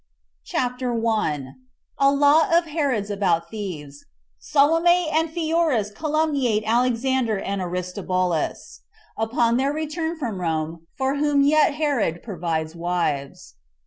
CHAPTER 1. A Law Of Herod's About, Thieves. Salome And Pheroras Calumniate Alexander And Aristobulus, Upon Their Return From Rome For Whom Yet Herod Provides Wives.